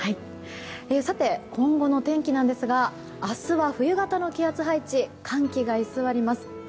さて、今後の天気なんですが明日は冬型の気圧配置寒気が居座ります。